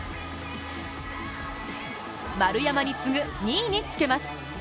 丸山に次ぐ２位につけます。